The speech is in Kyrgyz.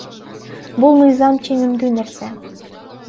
Бул мыйзам ченемдүү нерсе.